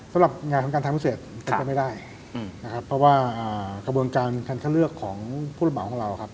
สำหรับงานของการทางพิเศษมันก็ไม่ได้นะครับเพราะว่ากระบวนการการคัดเลือกของผู้ระเหมาของเราครับ